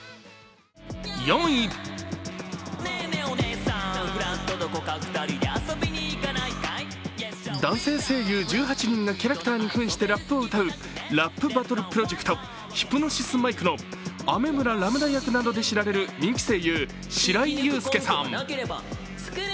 ４位、男性声優１８人がキャラクターにふんしてラップを歌う、ラップバトルプロジェクト「ヒプノシスマイク」の飴村乱数役などで知られる人気声優、白井悠介さん。